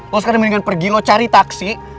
lo sekarang mendingan pergi lo cari taksi